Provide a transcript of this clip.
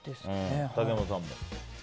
竹山さんも？